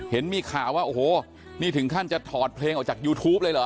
เห็นมีข่าวว่าโอ้โหนี่ถึงขั้นจะถอดเพลงออกจากยูทูปเลยเหรอ